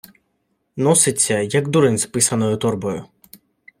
Носиться, як дурень з писаною торбою.